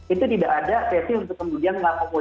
itu tidak ada sesi untuk kemudian melakukan